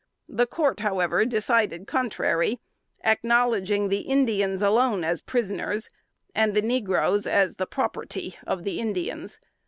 The court however decided contrary, acknowledging the Indians alone as prisoners, and the negroes as the property of the Indians.